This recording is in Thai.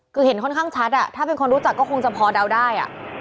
คือเห็นค่อนข้างชัดถ้าเป็นคนรู้จักก็คงจะพอเดาได้